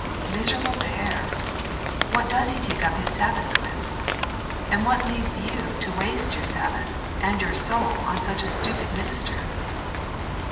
Miserable pair! What does he take up his Sabbaths with? And what leads you to waste your Sabbaths and your soul on such a stupid minister?